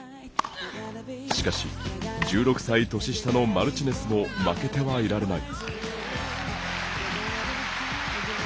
しかし、１６歳年下のマルチネスも負けてはいられない。